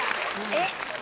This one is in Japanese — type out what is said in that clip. えっ？